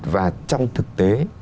và trong thực tế